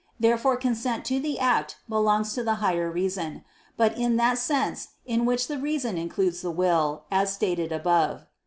Therefore consent to the act belongs to the higher reason; but in that sense in which the reason includes the will, as stated above (A.